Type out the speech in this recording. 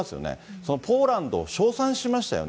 そのポーランドを称賛しましたよね。